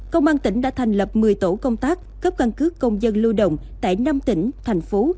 công an tỉnh đã thành lập một mươi tổ công tác cấp căn cước công dân lưu động tại năm tỉnh thành phố